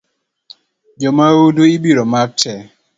Jo maundu ibiro mak tee